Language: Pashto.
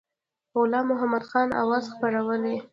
غلام محمدخان اوازې خپرولې.